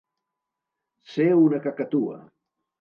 Ser una cacatua.